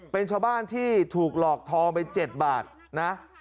เป็นชาวบ้านที่ถูกหลอกทองไป๗บาทนะ